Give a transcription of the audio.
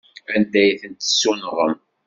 Anda ay tent-tessunɣem?